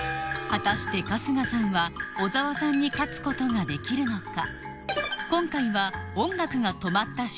果たして春日さんは小澤さんに勝つことができるのか？